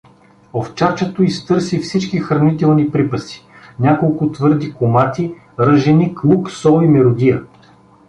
Овчарчето изтърси всички хранителни припаси: няколко твърди комати ръженик, лук, сол и меродия.